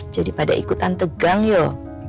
jadi pada ikutan tegang yuk